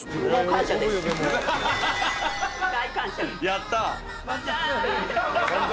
やった。